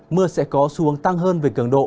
mưa sẽ có xu hướng tăng hơn về cường độ